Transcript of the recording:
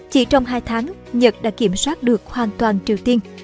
chỉ trong hai tháng nhật đã kiểm soát được hoàn toàn triều tiên